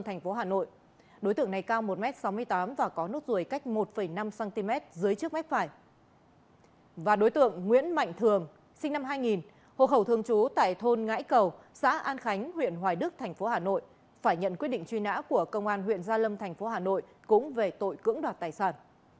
thành phố hà nội đã ra quyết định truy nã đối với đối tượng nguyễn mạnh thường sinh năm hai nghìn hộ khẩu thường trú tại thôn ngãi cầu xã an khánh huyện hoài đức thành phố hà nội phải nhận quyết định truy nã của công an huyện gia lâm thành phố hà nội cũng về tội cưỡng đoạt tài sản